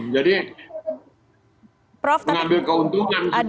jadi mengambil keuntungan